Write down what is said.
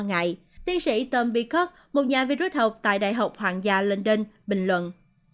nói ngại tiến sĩ tom peacock một nhà vi rút học tại đại học hoàng gia london bình luận